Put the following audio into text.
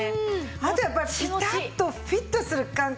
あとやっぱりピタッとフィットする感覚ね。